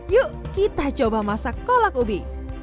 yuk kita coba masak kolak ubi